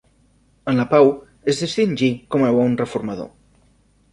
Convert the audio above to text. En la pau es distingí com a bon reformador.